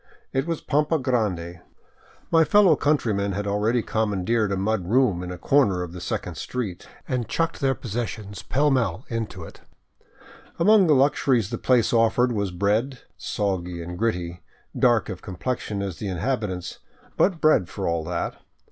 It was Pampa Grande. My fellow 532 m ON FOOT ACROSS TROPICAL BOLIVIA countrymen had already commandeered a mud room on a corner of the second street, and chucked their possessions pell mell into it. Among the luxuries the place offered was bread, soggy and gritty, dark of complexion as the inhabitants, but bread for all that.